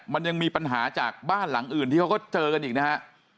มันยังมีปัญหาจากบ้านหลังอื่นที่เขาก็เจอกันอีกนะฮะ